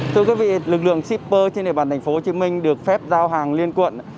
thưa quý vị lực lượng shipper trên địa phận thành phố hồ chí minh được phép giao hàng liên cuộn